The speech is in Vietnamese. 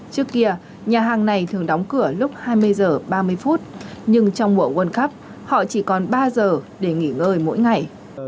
trước kia nhà hàng này thường đóng cửa lúc hai mươi h ba mươi phút nhưng trong mùa world cup họ chỉ còn ba giờ để nghỉ ngơi mỗi ngày